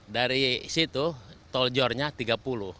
dari situ tol jornya tiga puluh